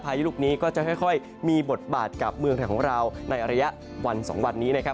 ยุลูกนี้ก็จะค่อยมีบทบาทกับเมืองไทยของเราในระยะวัน๒วันนี้นะครับ